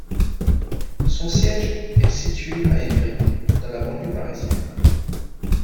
Son siège est situé à Évry, dans la banlieue parisienne.